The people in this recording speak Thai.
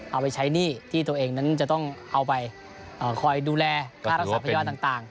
เอาไปใช้หนี้ที่ตัวเองนั้นจะต้องเอาไปคอยดูแลค่ารักษาพยาบาลต่าง